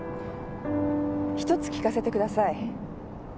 ひとつ聞かせてください。